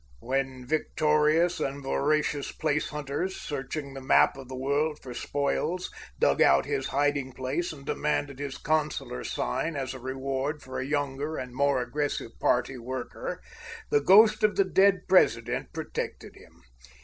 When victorious and voracious place hunters, searching the map of the world for spoils, dug out his hiding place and demanded his consular sign as a reward for a younger and more aggressive party worker, the ghost of the dead President protected him.